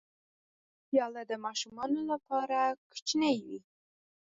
پیاله د ماشومانو لپاره کوچنۍ وي.